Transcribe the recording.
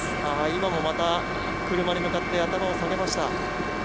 今もまた車に向かって頭を下げました。